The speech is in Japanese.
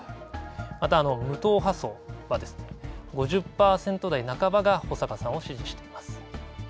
また、無党派層は５０％台半ばが保坂さんを支持しています。